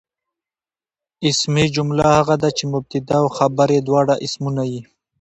اسمي جمله هغه ده، چي مبتدا او خبر ئې دواړه اسمونه يي.